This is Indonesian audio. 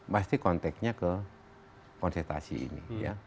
pasti konteknya ke kontestasi ini